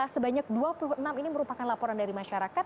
sebanyak dua puluh enam ini merupakan laporan dari masyarakat